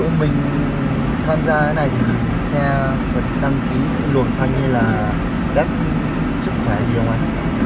thế thì dù mình tham gia thế này thì xe đăng ký lùng xanh hay là đất sức khỏe gì không anh